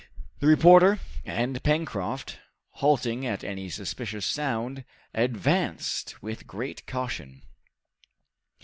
The reporter and Pencroft, halting at any suspicious sound, advanced with great caution.